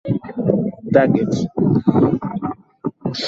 Mtoto huyu anaogopa usiku sana kwa kuwa kuna giza.